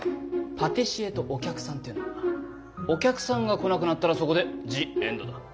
パティシエとお客さんというのはなお客さんが来なくなったらそこでジ・エンドだ。